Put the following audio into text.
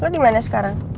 lo dimana sekarang